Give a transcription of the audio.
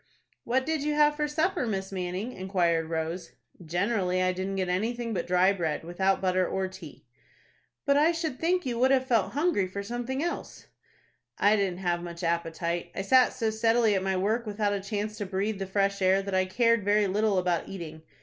"What did you have for supper, Miss Manning?" inquired Rose. "Generally I didn't get anything but dry bread, without butter or tea." "But I should think you would have felt hungry for something else." "I didn't have much appetite. I sat so steadily at my work, without a chance to breathe the fresh air, that I cared very little about eating.